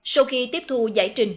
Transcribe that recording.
sau khi tiếp thu giải trình